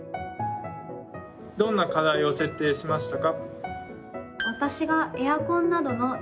どんな課題を設定しましたか？